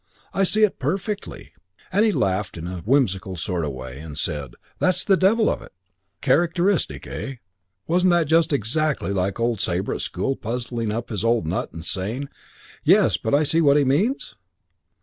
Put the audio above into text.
I see it perfectly,' and he laughed in a whimsical sort of way and said, 'That's the devil of it.' "Characteristic, eh? Wasn't that just exactly old Sabre at school puzzling up his old nut and saying, 'Yes, but I see what he means'?